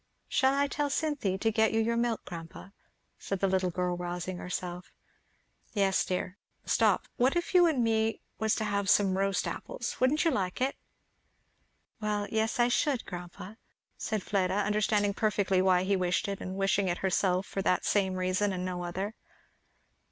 "Shall I tell Cynthy to get you your milk, grandpa?" said the little girl rousing herself. "Yes dear. Stop, what if you and me was to have some roast apples? wouldn't you like it?" "Well yes, I should, grandpa," said Fleda, understanding perfectly why he wished it, and wishing it herself for that same reason and no other.